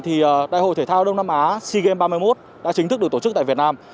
thì đại hội thể thao đông nam á sea games ba mươi một đã chính thức được tổ chức tại việt nam